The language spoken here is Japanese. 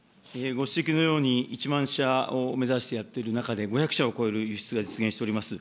ご指摘のように、１万者を目指してやっている中で、５００者を超える輸出が実現しております。